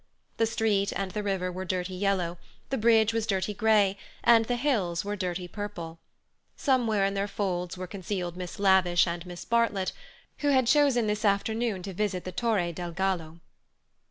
The street and the river were dirty yellow, the bridge was dirty grey, and the hills were dirty purple. Somewhere in their folds were concealed Miss Lavish and Miss Bartlett, who had chosen this afternoon to visit the Torre del Gallo.